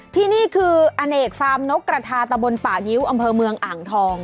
ที่นี่คืออเนกฟาร์มนกกระทาตะบนป่ายิ้วอำเภอเมืองอ่างทอง